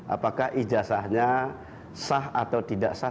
apakah ijazahnya sah atau tidak sah